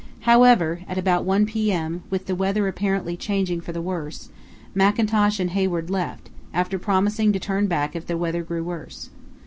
However, at about 1 p.m., with the weather apparently changing for the worse, Mackintosh and Hayward left, after promising to turn back if the weather grew worse.